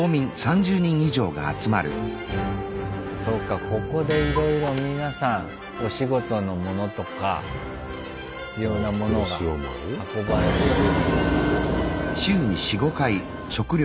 そうかここでいろいろ皆さんお仕事のものとか必要なものが運ばれてくる。